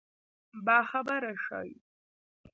باخبره شي.